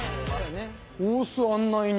「大須案内人」？